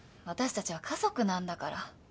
私たちは家族なんだから。